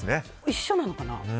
一緒なのかな？